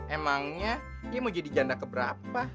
emangnya dia mau jadi janda keberapa